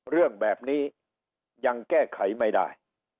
เรื่องแบบนี้ยังแก้ไขไม่ได้